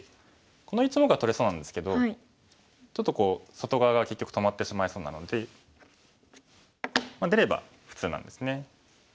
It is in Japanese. この１目は取れそうなんですけどちょっと外側が結局止まってしまいそうなので出れば普通なんですね。